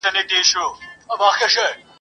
مړ چي دي رقیب وینم، خوار چي محتسب وینم !.